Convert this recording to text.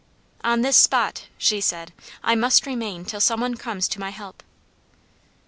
"On this spot," she said, "I must remain till some one comes to my help."